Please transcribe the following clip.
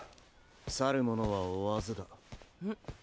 去る者は追わずだ。